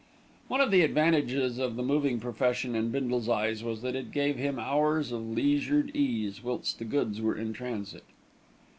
One of the advantages of the moving profession in Bindle's eyes was that it gave him hours of leisured ease, whilst the goods were in transit.